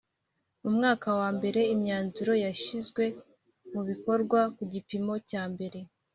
Mu mwaka wa mbere imyanzuro yashyizwe mu bikorwa ku gipimo cya mbere